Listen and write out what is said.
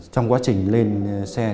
trong quá trình lên xe